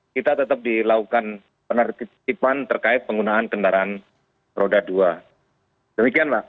kita tetap dilakukan penertiban terkait penggunaan kendaraan roda dua demikian mas